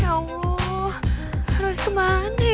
ya allah harus kemana nih